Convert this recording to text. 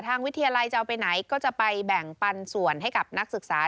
วิทยาลัยจะเอาไปไหนก็จะไปแบ่งปันส่วนให้กับนักศึกษา